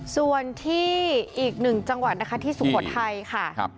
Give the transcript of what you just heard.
ส่วนที่อีกหนึ่งจังหวัดนะคะที่สุโขทัยค่ะ